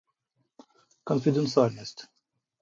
Конфиденциальность